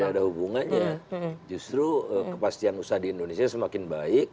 tidak ada hubungannya justru kepastian usaha di indonesia semakin baik